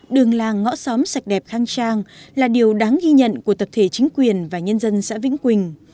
đường làng ngõ xóm sạch đẹp khang trang là điều đáng ghi nhận của tập thể chính quyền và nhân dân xã vĩnh quỳnh